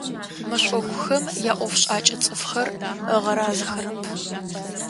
Мэшӏокухэм яӏофшӏакӏэ цӏыфхэр ыгъэразэхэрэп.